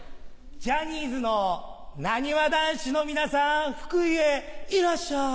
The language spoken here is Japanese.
ジャニーズのなにわ男子の皆さん福井へいらっしゃい。